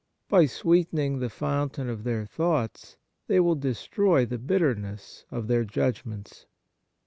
By sweetening the fountain of their thoughts they will destroy the bitterness of their judgments.